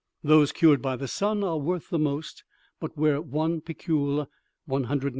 Those cured by the sun are worth the most; but where one picul (133 1/3 lbs.)